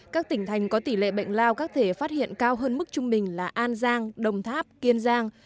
các tỉnh thành có tỷ lệ bệnh lao các thể phát hiện cao hơn mức trung bình là an giang đồng tháp kiên giang